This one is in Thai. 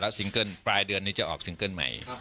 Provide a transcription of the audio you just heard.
แล้วปลายเดือนนี้จะออกซิงเกิ้ลใหม่